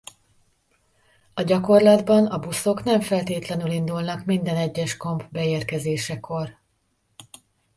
A gyakorlatban a buszok nem feltétlenül indulnak minden egyes komp beérkezésekor.